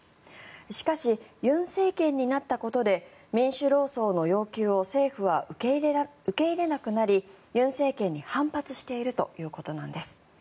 しかし、尹政権になったことで民主労総の要求を政府は受け入れなくなり尹政権に反発しているということなんです。